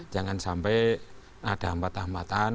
jangan sampai ada hambatan hambatan